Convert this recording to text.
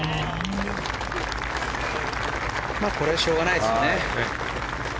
これはしょうがないですね。